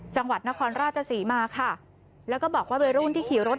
จังหวัดนครราชศรีมาค่ะแล้วก็บอกว่าวัยรุ่นที่ขี่รถ